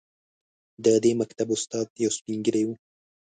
د دې مکتب استاد یو سپین ږیری و.